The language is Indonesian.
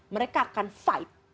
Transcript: mereka akan fight